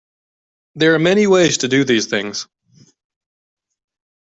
There are many ways to do these things.